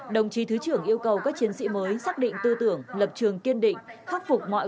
đồng chí thứ trưởng yêu cầu các chiến sĩ mới xác định tư tưởng lập trường kiên định khắc phục mọi